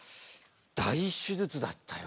大手術だったよ